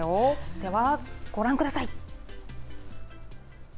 では、ご覧ください。